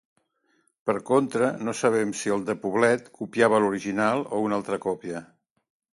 Per contra no sabem si el de Poblet copiava l’original o una altra còpia.